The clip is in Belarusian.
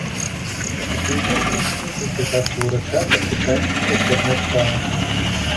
Выпускнікі атрымлівалі кваліфікацыю ўрача па спецыяльнасці лячэбная справа.